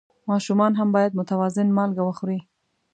ماشومان هم باید متوازن مالګه وخوري.